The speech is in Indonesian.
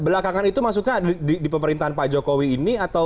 belakangan itu maksudnya di pemerintahan pak jokowi ini atau